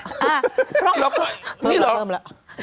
อ่าเพิ่มแล้วเพิ่มแล้ว